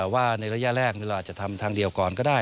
ว่าในระยะแรกเราอาจจะทำทางเดียวก่อนก็ได้